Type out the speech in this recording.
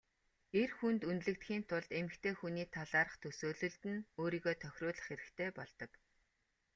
Эр хүнд үнэлэгдэхийн тулд эмэгтэй хүний талаарх төсөөлөлд нь өөрийгөө тохируулах хэрэгтэй болдог.